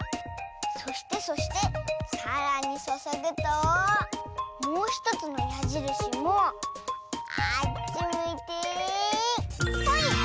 そしてそしてさらにそそぐともうひとつのやじるしもあっちむいてほい！